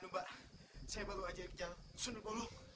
aduh mbak saya baru aja kejar sunil bolong